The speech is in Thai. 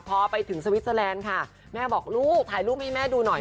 พอไปถึงสวิสเตอร์แลนด์ค่ะแม่บอกลูกถ่ายรูปให้แม่ดูหน่อย